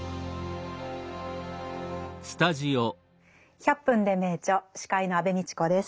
「１００分ｄｅ名著」司会の安部みちこです。